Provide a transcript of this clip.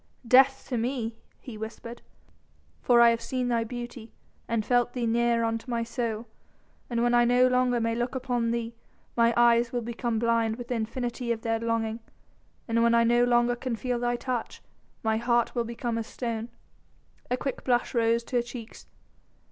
"Death to me," he whispered, "for I have seen thy beauty and felt thee near unto my soul. And when I no longer may look upon thee mine eyes will become blind with the infinity of their longing, and when I no longer can feel thy touch, my heart will become as a stone." A quick blush rose to her cheeks.